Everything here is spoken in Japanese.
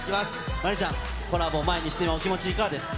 真凜ちゃん、コラボを前にしてのお気持ち、いかがですか？